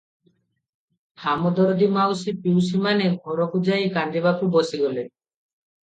ହାମଦରଦୀ ମାଉସୀ ପିଉସୀମାନେ ଘରକୁ ଯାଇ କାନ୍ଦିବାକୁ ବସିଗଲେ ।